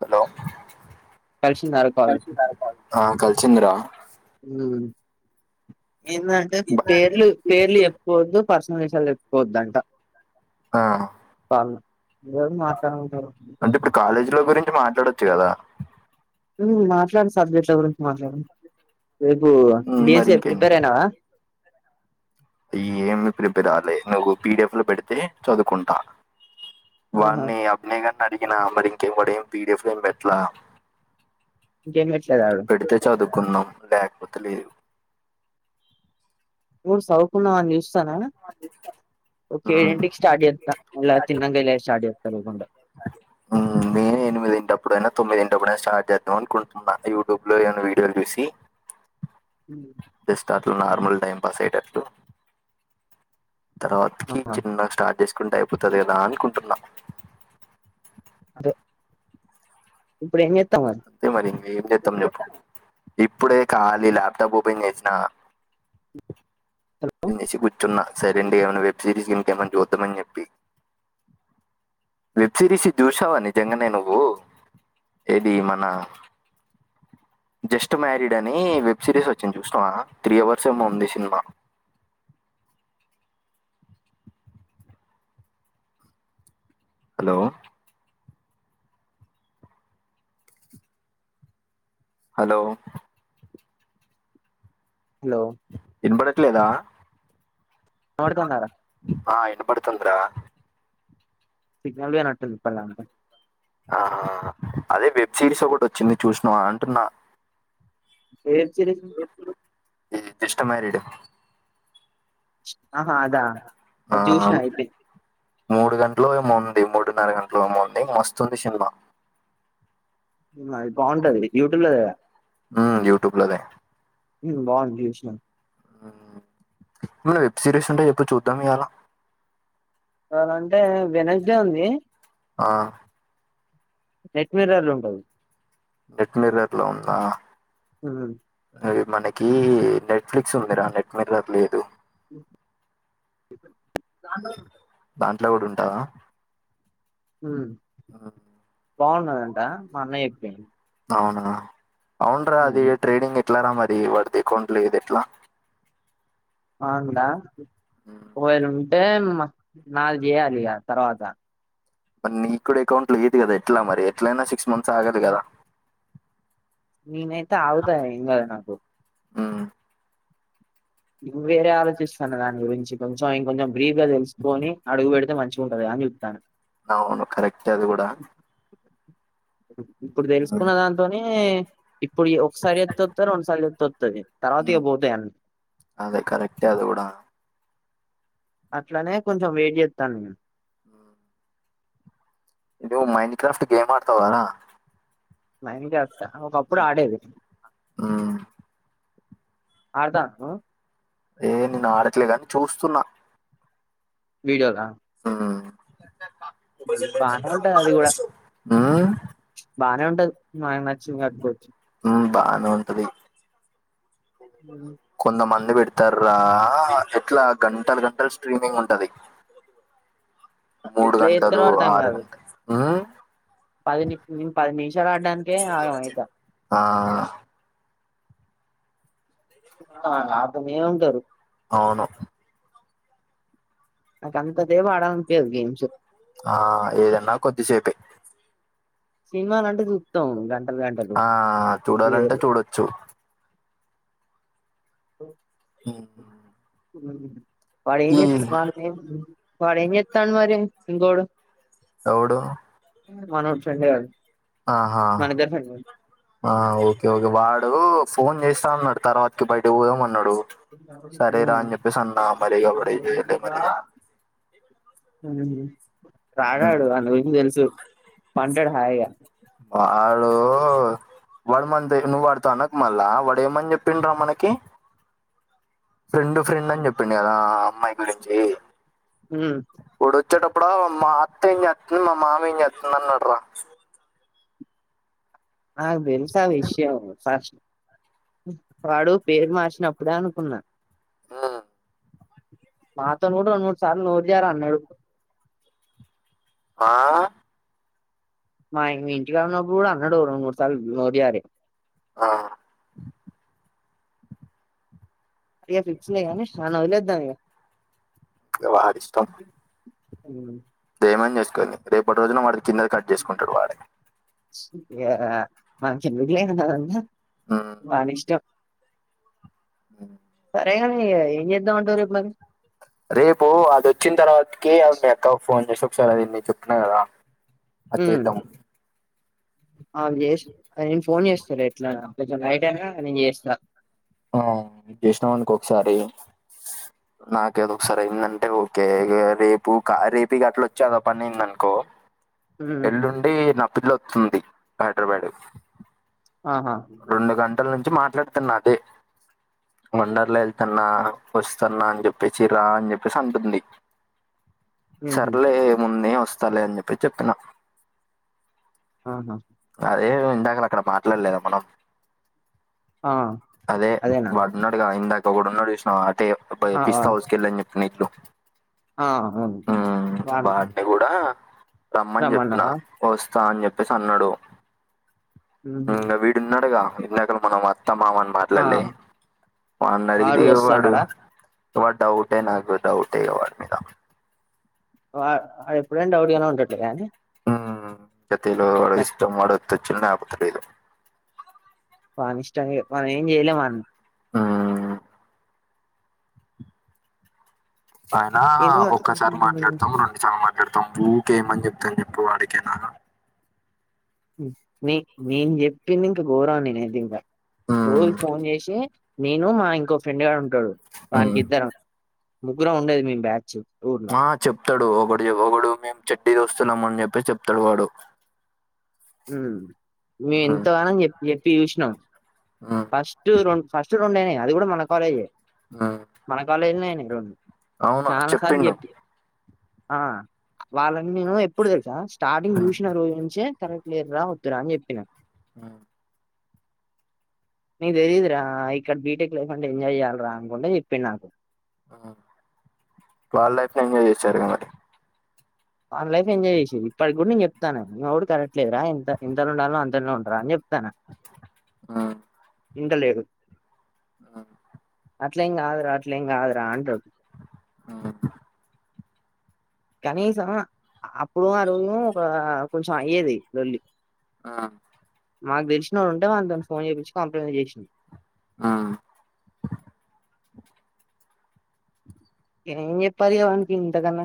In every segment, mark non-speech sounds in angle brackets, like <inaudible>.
Hello కలిసిందారు call ఆ కల్శింది రా ఉమ్ ఏందంటే బ- పేర్లు పేర్లు చెప్పుకోవద్దు పర్సనల్ విషయాలు చెప్పుకోవద్దంట ఆ కాల్ ఎవరు ఆ మాట్లాడుకుంటారు అంటే ఇప్పుడు కాలేజీల గురించి మాట్లాడొచ్చు కదా మ్ మాట్లాడు సబ్జెక్ట్ల గురించి మాట్లాడు రేపు ఉమ్, మరి బీఎస్సి ప్రిపేర్ ఇంకేంది అయినావా ఏమి ప్రిపరాలే నువ్వు పిడిఎఫ్ లు పెడితే చదువుకుంటా ఆహా వాన్ని అభినయ్ గాడ్ని అడిగినా మరి ఇంకేం వాడేం పీడిఎఫ్ లేం పెట్లా ఇంకేం పెట్లదా ఆడు కుంనం లేకపోతే లేదు నువ్వు చదువున్నావని చూస్తానా ఓక ఉమ్, ఏడింటికి స్టార్ట్ జేత్త మెల్లగ తిన్నంక మెల్లగ స్టార్ట్ జేత్త లేకుంటే మ్ నేను ఎనిమిది ఇప్పుడైనా తొమ్మిది ఇంటప్పుడైనా స్టార్ట్ చేద్దాం అనుకుంటున్నా యూట్యూబ్ లో ఏమన్న వీడియోలు జూసి జేస్ట్ అట్లు నార్మల్ టైం పాస్ అయ్యేటట్లు తర్వాతికి ఆహా చిన్నగ స్టార్ట్ చేసుకుంటే అయిపోతది గదా అనుకుంటున్నా అదే ఇప్పుడైం జేత్ అంతే మరి ఇంకేం జేత్తం చెప్పు ఇప్పుడే కాళీ ల్యాప్టాప్ ఓపెన్ చేసిన హలో టిఫిన్ చేసి కూర్చున్న సైలేంట్గ ఏమన్నా వెబ్ సిరీస్ ఇంకేం జూద్దామని చెప్పి వెబ్ సీరీస్ ఇది జుష్నావ నిజంగానే నువ్వు ఏదీ మన జస్ట్ మ్యారీడ్ అని వెబ్ సిరీస్ వచ్చింది చూసినవా త్రీ అవర్స్ ఏమో ఉంది సినిమా హలో హలో హలో ఇన్బడట్లేదా వినపడుతుందారా ఆ ఇనబడుతుంది రా సిగ్నల్ లేనట్టుంది ఇప్పటిదాంక ఆ అదే వెబ్ సిరీస్ ఒకటి వచ్చింది చూసినావ అంటున్నా ఏం సిరీస్ ఇది జస్ట్ మ్యారీడ్ ఆహా అదా ఆ అది చూసిన అయిపోయింది మూడు గంటలో ఏమో ఉం ది మూడున్నర గంటలో ఏమో ఉంది మస్తుంది సినిమా అది బాగుంటది యూట్యూబ్ లో ది కదా యూట్యూబ్ లోదే మ్ బాగుంది చూసినా మన్న వెబ్ సిరీస్ ఉంటాయి చెప్పుడు చూద్దాం ఇయాలా ఏదన్నా అంటే వెడ్నెస్డే ఉంది ఆహ్ నెట్ మిర్రర్ లో ఉంటది నెట్ మిర్రర్ లో ఉందా మ్ అది మనకి నెట్ఫ్లిక్స్ ఉందిరా నెట్ మిర్రర్ లేదు దాంట్లో కూడా ఉంటదా మ్ మ్ బాగున్నాదంట మా అన్న చెప్పిండు అవునా అవునరా అది ట్రేడింగ్ ఎట్లారా మరి వాడిది ఎకౌంట్ లేదు ఎట్లా వాంద ఉమ్, మొబైల్ టె మ నాది చేయాలి ఇగ తర్వాత మరి నీకు కూడా అకౌంట్ లేదు కదా ఎట్లా మరి ఎట్లయినా సిక్స్ మంత్స్ ఆగాలి కదా నేనైతే ఆగుతా ఎం గాదు నాకు మ్ నువు వేరే ఆలోచిస్తున్నావ్ దాని గురించి కొంచం ఇంకోచం బ్రీఫ్ గా తెలుసుకొని అడుగు పెడితే మంచిగ ఉంటది కదా అని చెప్తానా అవును కరెక్టే అది కూడా ఇప్పుడు ఉమ్ తెలుసుకున్న దాంతోనే ఇప్పుడు ఒకసారి చెత్తే ఓత్తది రండుసారి చెత్తే ఓత్తది మ్ అదే కరెక్టే అది కూడా అట్లానే కొంచెం వెయిట్ చెత్తను నేను ఏదో మైండ్ క్రాఫ్ట్ గేమ్ ఆడుతావారా మ్యాన్క్రాఫ్టా ఒకప్పుడు ఆడేది ఉమ్ ఆడతాను ఏ నేను ఆడట్లే గాని చూస్తున్నా వీడియోల మ్ బానే ఉంటది అది కూడా హ్మ్ బానే ఉంటది మనకు నచ్చింది కట్టుకోవచ్చు మ్ బానే ఉంటది కొంతమంది పెట్ తర్రా ఎట్ల గంటల్ గంటల్ స్ట్రీమింగ్ ఉంటది. మూడు ఎట్లా గంటలు చేస్తారో అర్థం ఆరు కాదు గంటల్ పది ని పది నిమిషాల్ ఆడ్డానికే ఆగమైత అ త అగ్తనే ఉంటరు అవును నాకంతసేపు ఆడాలన్పీయదు గేమ్స్ ఆ ఏదన్నా కొద్దిసేపే సినిమాలంటే సూత్తం గన్ ఆ చూడాలంటే చూడొచ్చు. నో మ్ వాడేం జేత్ వాడేం జేత్తాండు మరి ఇంకోడు ఎవడు మనోడ్ ఫ్రెండ్ గాడు ఆ హా మన ఇద్దరి ఫ్రెండ్ ఆ ఓకే ఓకే వాడూ ఫోన్ చేస్తా అన్నాడ్ తర్వాత్కి బైటిక్ పోదాం అన్ న్నడు సరే రా అన్ జెప్పేసన్న మరిగ వాడ్ <inaudible> హ్మ్ రాడాడు ఇగ ఆన్ గురించి దెల్సు పంటడ్ హాయిగ వాడుమంతె నువ్ వాడ్తో అనక్ మళ్ళా వాడేమన్ చెప్పిండ్రా మనకి ఫ్రెండు ఫ్రెండ్ అన్ జెప్పిండు గదా ఆ అమ్మాయి గురించి మ్ వోడోచ్చేటప్పుడూ మా అత్తేం చేతుంద్ మా మామేం చేత్తుందన్నడ్రా నాక్ తెల్సా విష్యం ఫస్ వాడు పేర్ మార్చినప్పుడే అనుకున్నా ఆ మాతోన్ గుడా రెండు మూడు సార్లు నోర్ జారన్నడు. ఆ మా ఇం ఇంటికాడున్నప్పుడు గుడా అన్నడు రెండు మూడు సార్లు నోర్ జారీ ఆ ఇగ ఫిక్స్లే గానీ ఆన్నోద్లేద్దం ఇగ వాడిష్టం. మ్ ఏమన్ జేస్కోనీ రేపట్ రోజున వాడిది కిందది కట్ చేస్కుంటడు వాడే యా మనకెందుకులే అదంతా వానిష్టం. సరేగని ఇగ ఏం చేద్దామంటవు రేపు మరి రేపు అదొచ్చిన్ తర్వాత్కీ అ మీ అక్కక్ ఫోన్ చేసి ఒకసార్ అదేంది చెప్పిన కదా అద్ జేద్దాం. ఆ అవ్ చేస్ నేన్ ఫోన్ చేస్తా ఎట్లైన కొంచం నైట్ అయినా నేన్ చేస్తా ఆ జేస్నవనుకో ఒక్సారీ నాకేదో ఒస్కారైందంటే ఓకే ఇగ రేపు రేపిగట్లొచ్చ ఆడ పనైందన్కో ఎల్లుండి నా పిల్లొత్తుంది హైడ్రబాద్ ఆహా టల్ నుంచి మాట్లాడ్తున్న అదే వండర్లా ఎళ్తన్నా, వస్తన్నా అన్ జెప్పేసి రా అన్ జెప్పేసి అంటుంది. ఉహు సర్లే ఏముంది ఒస్తలే అన్ చెప్పేస్ చెప్పిన ఆహా అదే ఇందాకలక్కడ మాట్లాడ్లేదా మనం ఆ అదే అదేనా వాడున్నడు గా ఇందాకోకడున్నడు చూసినవా తే బై ఆ ఆ పిస్తా హౌస్కెల్లా న్ చెప్పినిల్లూ ఆ! అవును మ్ వాన్ వాడ్ని గుడా రమ్మన్ చెప్పిన రమ్మన్నావా వస్తా అన్ చెప్పేసి అన్నడు. ఉహు మ్ వీడున్నడుగా ఇందాకల మనం మా త్త మామ అన్ ఆ మాట్లాడ్లే వాన్నడిగితే ఇగ వస్తా వాడు అన్నాడా వడ్ డౌటే నాకు డౌటే ఇగ వాడి మీద వా వాడేప్పుడైనా డౌట్గానే ఉండట్లే గానీ మ్ జతేలు వాడి ఇష్టం వాడు ఇస్తే ఇచ్చిండు లేపోతే లేదు వని ఇష్టం ఇగా మనం ఏం చేయలేం వన్ మ్మ్ అయినా ఎందుకు అట్లా ఒక్కసారి మాట్లాడతాము రెండుసార్లు మాట్లాడతాము ఉ కేమని చెప్తాం చెప్పు వాడికేనా మ్ నే నేను చెప్పింది ఇంక గోరం నేనైతింక రోజు మ్మ్ ఫోన్ చేసి నేను మా ఇంకో ఫ్రెండ్ గాడు ఉంటాడు వానికి మ్మ్ ఇద్దరం ముగ్గురం ఉండేది మేం బ్యాచ్ ఊర్ల మా చెప్తాడు ఒకడు ఒకడు మేము చెడ్డి దోస్తులం అని చెప్పేస్ చెప్తాడు వాడు హుమ్ మేము ఎంత మ్మ్ గానం చెప్ చెప్పి చూసినాం మ్మ్ ఫస్ట్ రెండు ఫస్ట్ రెండైనాయి అది కూడా మన కాలేజే మ్మ్ మన కాలేజ్లనే అయినాయి రెండు అవును చాలా సార్లు చెప్పిండు చెప్పి ఆ వాళ్ళని మేము ఎప్పుడు తెలుసా స్టార్టింగ్ మ్మ్ చూసిన రోజు నుంచే కరెక్ట్ లేర్ర వద్దురా అని చెప్పినా అ నిక్ తెలీదురా ఇక్కడ బీటెక్ లైఫ్ అంటే ఎంజాయ్ చెయ్యాల్ర అనుకుంట చెప్పిండ్ నాకు ఆ వాల్ లైఫ్ ని ఎంజాయ్ చేసాడుగా మరి వాన్ లైఫ్ ఎంజాయ్ చేసేది ఇప్పటికి కూడా నేను చెప్తానఆమె కూడ కరెక్ట్ లేదు రా ఎంత ఎంతలో ఉండాలో అంతలో ఉంటరా అని చెప్ తన ఆ ఇంటలేరు ఆ అట్లెం కాదురా అట్లెం కాదురా అంటడ్ అ కనీసం అప్పుడు ఆ రోజు ఒక కొంచెం అయ్యేది లొల్లి ఆ మాకు తెలిసిన వాడుంటే వనితోని ఫోన్ చేయించి కంప్రమైస్ చేసినం ఆ ఏం చేప్పలివనికి ఇంతాకన్నా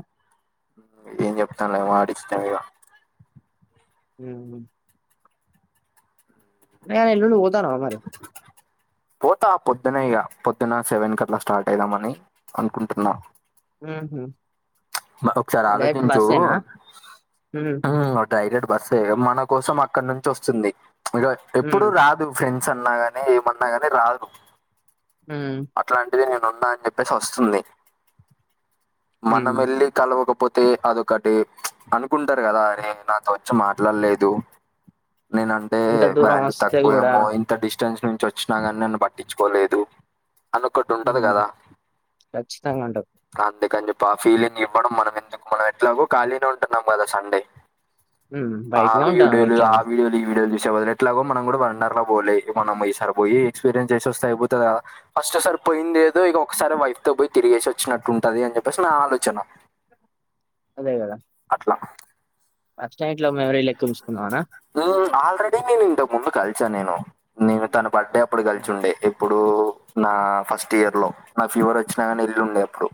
ఏం చెప్తంలే వాడి ఇష్టం ఇగ మ్ న ఎల్లుండి పో పోతా పొద్దున ఇగ పొద్దున సెవెన్ కట్లా స్టార్ట్ ఐదమని అనుకుంటున్నా మ్ హు మరి ఒకసారి ఆలోచించు హ్మ్. మ్ డైరెక్ట్ బస్సే ఇగ మన కోసం అక్కడ నుంచి వస్తుంది ఇగ ఎప్పుడు హ్మ్. రాదు ఫ్రెం స్ అన్న గాని ఏమన్నా గాని రాదు మ్ అట్లాంటిది నేను ఉన్నా అని చెప్పేసి వస్తుంది మనం హ్మ్. వెళ్ళి కలవక పొ తే అదొకటి అనుకుంటారు కదా అరే నాతో వచ్చి మాట్లాడలేదు నేనంటే ఇంత దూరం వాల్యూ వస్తే గూడా తక్కువేమొ ఇంత డిష్ స్టెన్స్ నుంచి వచ్చినా గానీ నన్ను పట్టించుకోలేదు అదొకటి ఉంటది హ్మ్. కదా ఖచ్చితంగా అంటావు. అదే కాని ప ఫీలింగ్ ఇవ్వడం మనం ఎందుకు మనము ఎట్లాగో ఖాళీనే ఉంటున్నాం కదా సండే హ్మ్. ఆ బయటనే ఉంటాను వీడియోలు ఆ ఎట్లానో. వీడియోలు ఈ వీడియోలు చవ ఎట్లాగో మనం కూడా వండర్ లా పోలే మనం ఈ సారి పోయి ఎక్స్పీరియన్స్ చేసి వస్తే అయిపోతదా ఫస్టోసారి పోయిందేదో ఇగ ఒకసారి వైఫ్ తో పోయి తిరిగేసి వచ్చినట్టు ఉంటది అని జేప్పేసి నా ఆలోచన అట్లా అప్స్టి నైట్ లో మెమొరీలెక్కువుంచుకుందామానా ఇంతకు ముందు కలిసాన్నేను నేను తన బర్త్డే అప్పుడు గలిసి ఉండే ఇప్పుడు ఉ నా ఫస్ట్ ఇయర్ లో నా ఫీవర్ వచ్చినా గని వెళ్ళీ ఉండే అప్పుడు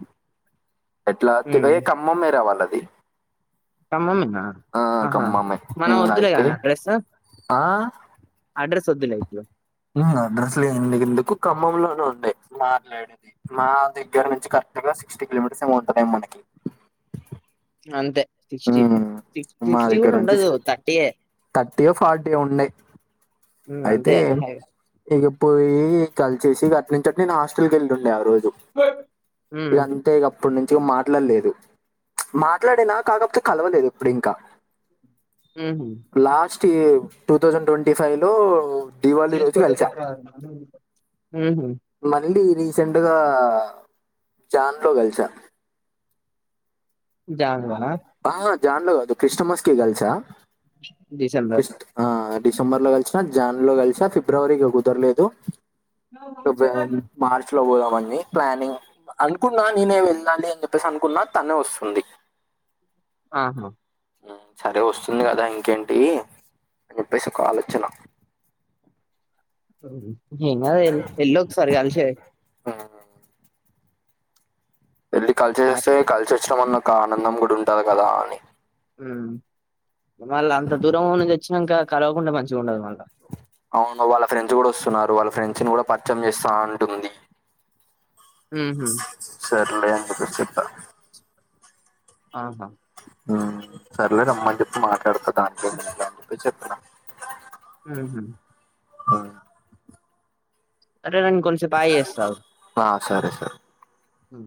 ఎట్లా హ్మ్. ఏ కమ్మమే రా వాళ్లది ఖమ్మంమేనా? ఆ ఆహా! కమ్మమే మనం ఉం వద్దులే అయితే గానీ ఆ తెలుసోద్దిలే ఇపుడు ఉం అడ్రస్లు ఏం ఎందుకు ఖమ్మంలోనే ఉండే మాట్లాడేది మా మ్మ్. దగ్గర నుంచి కరెక్ట్ గా సిక్స్టీ కిలోమీటర్స్ ఏమో ఉంటది మనకి సిక్స్టీ ఉమ్, సిక్స్టీ గూడా ఉండదు థర్టీయే థర్టీయో ఫార్టీయో ఉండే ఉమ్ అంతే ఇగా ఇప్పుడు పోయి కాల్చేసి అట్ నుంచే అట్ నేను హాస్టల్ కి వెళ్తుండే ఆ రోజు ఉమ్ అపుడు నుంచి మాట్లాడలేదు మాట్లాడినా కాకపోతే కలవలేదు ఎప్పుడు ఇంకా ఉహు తూ టూ థౌసండ్ ట్ట్వెంటీ ఫైవ్ లో మంచిగా జేసిపోతే పో లో ఊహు మళ్ళీ రీసెంట్ గా జాన్లో కల్సా జాన్లో నా ఆహా, జాన్లో గాదు క్రిస్టమాస్ కి గల్సా డిసెంబర్ క్రిస్ట్ ఆ డిసెంబర్ లో గలిసినా జాన్లో గలిసా ఫిబ్రవరికి ఇగా కుదరలేదు వ్యాన్ మార్చ్ లో పోదామని ప్లానింగ్ అనుకున్నా నేనే వెళ్ళాలి అని చెప్పేసి అనుకున్నా తనే వస్తుంది ఆహా సరే వస్తుంది గదా ఇంకేంటి అని చెప్పేసి కాల్ వచ్చిన ఏంకాదు ఎల్ ఎల్లోకసారి కాల్సేయ్ ఆ వెళ్ళీ మరి కలిషోస్తే కలిసి వచ్చినం అన్న ఒక ఆనందం కూడా ఉంటంది గదా అని ఉమ్ వాల్ అంత దూరం నుంచి వచ్చినంక కలవకుండా మంచిగా ఉండదు మళ్ళీ అవును వాళ్ళ ఫ్రెండ్స్ గూడా వస్తున్నారు వాళ్ళ ఫ్రెండ్స్ ని కూడా పరిచయం చేస్తా అంటుంది ఊహూ సర్లే అని చెప్పేసి చెప్పా ఆహా ఉమ్ సర్లే రమ్మని చెప్పి మాట్లాడాకు దంతో <unintelligible> అని చెప్పిన ఉహు ఉమ్ అరే నేన్ కొంసేపు ఆగి చేస్తాగూ ఆ, సరే సరే ఉం